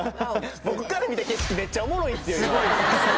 僕から見た景色、めっちゃおもろいんですよ、めっちゃ。